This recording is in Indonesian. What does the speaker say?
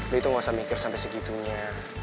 lo itu ga usah mikir sampe segitunya